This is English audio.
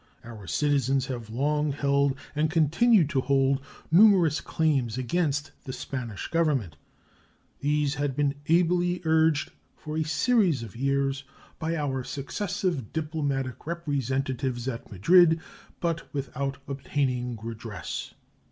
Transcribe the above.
Our citizens have long held and continue to hold numerous claims against the Spanish Government. These had been ably urged for a series of years by our successive diplomatic representatives at Madrid, but without obtaining redress.